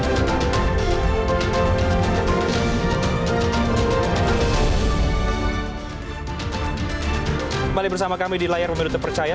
kembali bersama kami di layar pemilu terpercaya